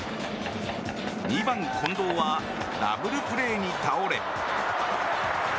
２番、近藤はダブルプレーに倒れ。